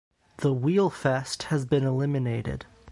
The "Wheelfest" has been eliminated.